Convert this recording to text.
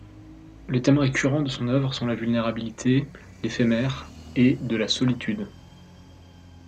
Les thèmes récurrents de son œuvre sont la vulnérabilité, l'éphémère et de la solitude.